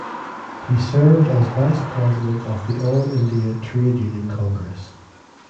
He served as vice president of the All India Trade Union Congress.